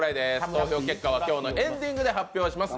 投票結果は今日のエンディングで発表します。